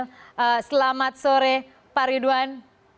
selamat sore pak ridwan